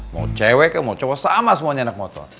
mau cewek mau coba sama semuanya anak motor